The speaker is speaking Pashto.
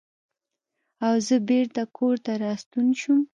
او زۀ بېرته کورته راستون شوم ـ